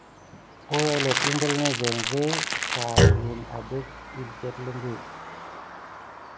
Əwelet umbul na zenve ka an buwune adek əsleget ləŋgə.